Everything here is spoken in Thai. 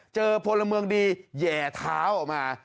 พลเมืองดีแหย่เท้าออกมา